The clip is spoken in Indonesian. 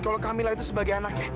kalau kamila itu sebagai anaknya